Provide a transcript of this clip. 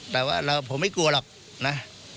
แต่ว่าผมไม่กลัวหรอกนะ